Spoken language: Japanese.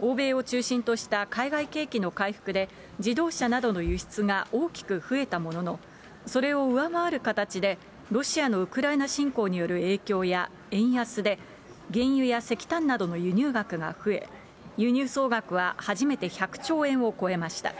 欧米を中心とした海外景気の回復で自動車などの輸出が大きく増えたものの、それを上回る形でロシアのウクライナ侵攻による影響や円安で原油や石炭などの輸入額が増え、輸入総額は初めて１００兆円を超えました。